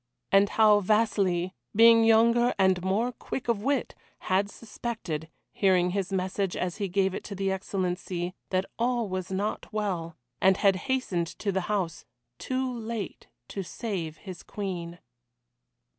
And How Vasili, being younger and more quick of wit, had suspected, hearing his message as he gave it to the Excellency, that all was not well, and had hastened to the house too late to save his Queen.